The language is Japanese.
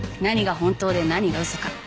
何が本当で何が嘘か。